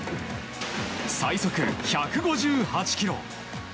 最速１５８キロ。